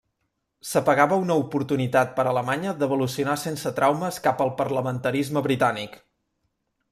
S'apagava una oportunitat per Alemanya d'evolucionar sense traumes cap al parlamentarisme britànic.